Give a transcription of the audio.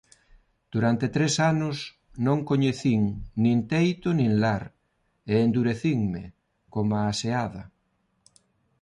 Durante tres anos non coñecín nin teito nin lar, e endurecinme coma a xeada.